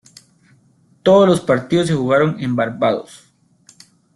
Todos los partidos se jugaron en Barbados.